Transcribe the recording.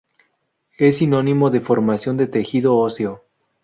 Es sinónimo de formación de tejido óseo.